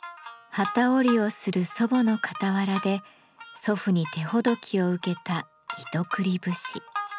機織りをする祖母の傍らで祖父に手ほどきを受けた「糸繰り節」。